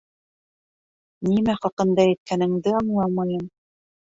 Нимә хаҡында әйткәнеңде аңламайым.